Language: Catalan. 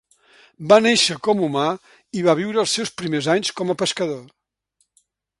Va néixer com humà i va viure els seus primers anys com a pescador.